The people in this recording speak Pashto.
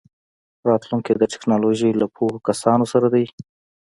راتلونکی د ټیکنالوژۍ له پوهو کسانو سره دی.